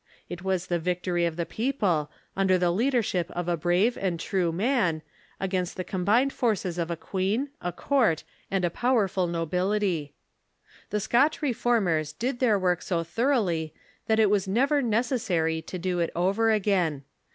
It was the victory of the people, under the leadership of a brave and true man, against 17 258 THE REFOKMATION the combined forces of a queen, a court, and a powerful nobil ity. The Scotch Reformers did their work so thoroughly that it was never necessary to do it over again.